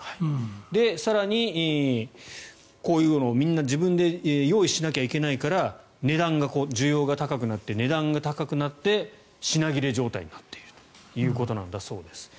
更に、こういうものをみんな自分で用意しなければいけないから需要が高くなって値段が高くなって品切れ状態になっているということなんだそうです。